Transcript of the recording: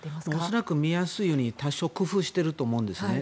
恐らく、見やすいように多少工夫してると思うんですね。